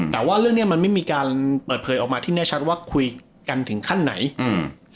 แต่ว่าเรื่องเนี้ยมันไม่มีการเปิดเผยออกมาที่แน่ชัดว่าคุยกันถึงขั้นไหนอืม